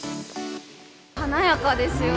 華やかですよね。